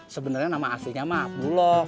sebenarnya nama aslinya mabulo